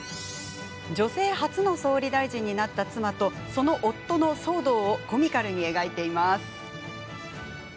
女性初の総理大臣になった妻とその夫の騒動をコミカルに描いています。